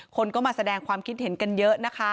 คนก็มาแสดงความคิดเห็นกันเยอะนะคะ